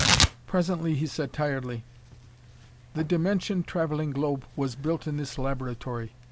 Presently he said tiredly: "The dimension traveling globe was built in this laboratory.